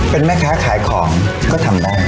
เป็นแม่ค้าขายของก็ทำได้